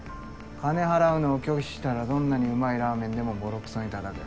金払うのを拒否したらどんなにうまいラーメンでもボロクソに叩く。